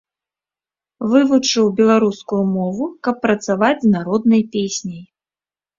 Вывучыў беларускую мову, каб працаваць з народнай песняй.